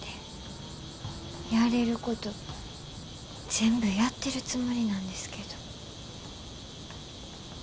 やれること全部やってるつもりなんですけど。